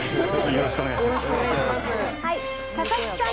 よろしくお願いします。